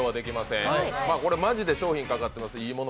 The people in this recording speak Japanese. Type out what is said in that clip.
これ、マジで商品がかかってます。